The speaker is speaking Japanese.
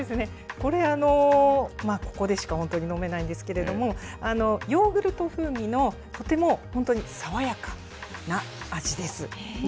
これ、ここでしか本当に飲めないんですけれども、ヨーグルト風味のとても本当に爽やかな味です。